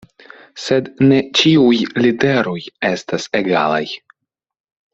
Sed ne ĉiuj literoj estas egalaj.